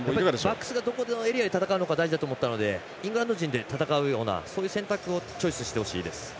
バックスがどのエリアで戦うかが大事だと思ったのでイングランド陣で戦うようなそういう選択をチョイスしてほしいです。